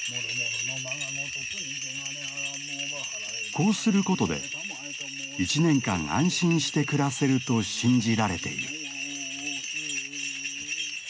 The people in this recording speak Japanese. こうすることで１年間安心して暮らせると信じられている。